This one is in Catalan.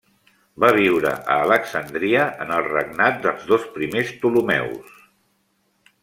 Va viure a Alexandria en el regnat dels dos primers Ptolemeus.